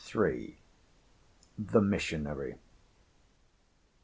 THE MISSIONARY.